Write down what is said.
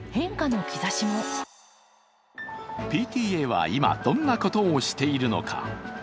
ＰＴＡは今、どんなことをしているのか。